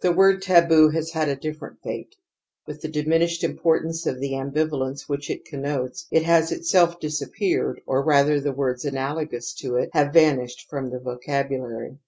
The word taboo has had a different fate ; with the diminished importance of the ambivalence which it connotes it has itself disappeared, or rather, the words analogous to it have vanished from the vocabulary.